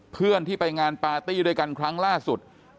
เพื่อนที่ไปงานปาร์ตี้ด้วยกันครั้งล่าสุด